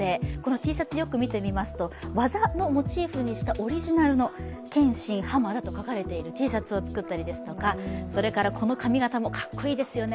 Ｔシャツ、よく見てみますと、技をモチーフにした、オリジナルのケンシン・ハマダと書かれているＴシャツを作ったりそれからこの髪型もかっこいいですよね。